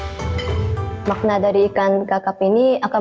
jika ikan yang diangkat dengan cara mengangkat bagian duri tengah ikan